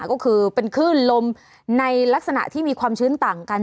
ก็คือเป็นคลื่นลมในลักษณะที่มีความชื้นต่างกัน